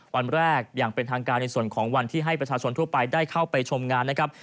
วันแรกอย่างเป็นทางการในส่วนของวันที่ให้ประชาชนทั่วไปได้เข้าไปชมงานนะครับ